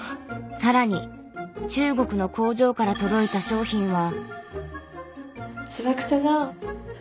更に中国の工場から届いた商品は。